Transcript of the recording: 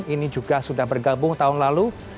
ini juga sudah bergabung tahun lalu